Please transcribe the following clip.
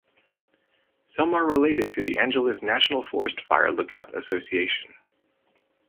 Some are related to the Angeles National Forest Fire Lookout Association.